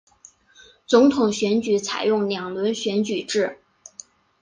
总统选举采用两轮选举制。